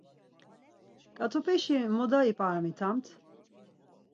Ǩat̆upeşi muda ip̌aramitamt?